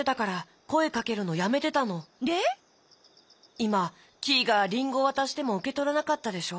いまキイがりんごわたしてもうけとらなかったでしょ？